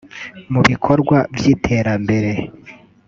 Mu bikorwa vy’iterambere